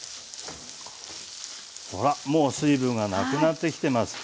ほらもう水分がなくなってきてます。